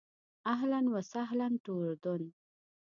اهلاً و سهلاً ټو اردن.